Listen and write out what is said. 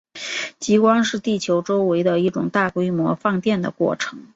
极光是地球周围的一种大规模放电的过程。